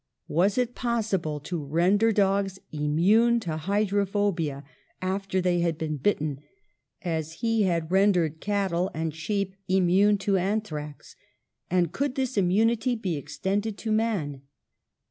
Was it possible to render dogs immune to hydrophobia after they had been bitten, as he had rendered cattle and sheep immune to anthrax? And could this im munity be extended to man?